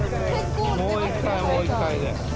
もう一回、もう一回で。